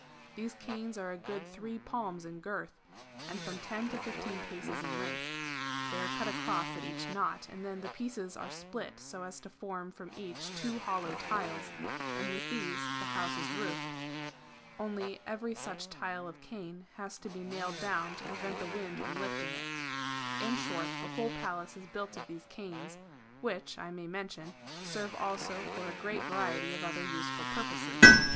These canes are a o ood 3 palms in girth, and from 10 to 15 paces in length. [They are cut across at each knot, and then the pieces are split so as to form from each two hollow tiles, and with these the house is roofed ; only every such tile of cane has to be nailed down to prevent the wind from lifting it] In short, the whole Palace is built of these canes, which (I may mention) serve also for a great variety of other useful purposes.